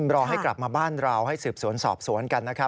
รอให้กลับมาบ้านเราให้สืบสวนสอบสวนกันนะครับ